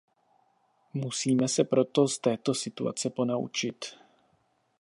Musíme se proto z této situace ponaučit.